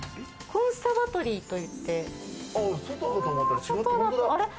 コンサバトリーって。